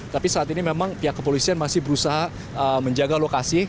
tapi saat ini memang pihak kepolisian masih berusaha menjaga lokasi